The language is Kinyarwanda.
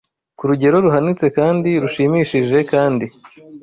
ku rugero ruhanitse kandi rushimishije kandi